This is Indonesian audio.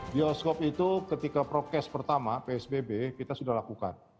bioskop itu ketika prokes pertama psbb kita sudah lakukan